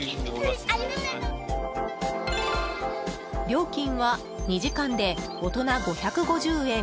料金は、２時間で大人５５０円